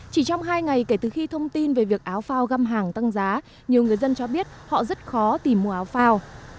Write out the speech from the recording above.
chỉ trong hai ngày kể từ khi thông tin về việc áo phao găm hàng tăng giá nhiều người dân cho biết họ rất khó tìm mua áo phao